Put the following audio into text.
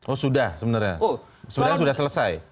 oh sudah sebenarnya sudah selesai